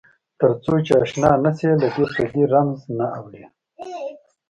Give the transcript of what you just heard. تر څو چې آشنا نه شې له دې پردې رمز نه اورې.